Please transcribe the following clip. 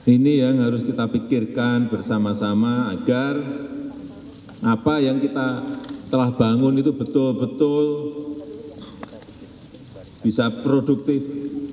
ini yang harus kita pikirkan bersama sama agar apa yang kita telah bangun itu betul betul bisa produktif